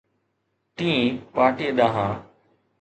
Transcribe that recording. ٽئين پارٽي ڏانهن.